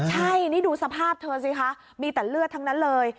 ใช่นี่ดูสภาพเธอสิคะมีแต่เลือดทั้งนั้นเลย